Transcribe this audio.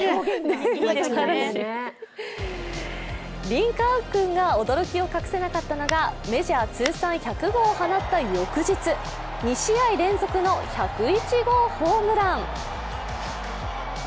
リンカーン君が驚きを隠せなかったのがメジャー通算１００号を放った翌日２試合連続の１０１号ホームラン。